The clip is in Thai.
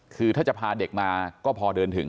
คือถ้าจะพาเด็กมาก็พอเดินถึง